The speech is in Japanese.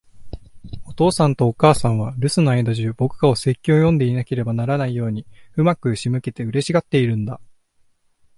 お父さんとお母さんは、留守の間じゅう、僕がお説教を読んでいなければならないように上手く仕向けて、嬉しがっているんだ。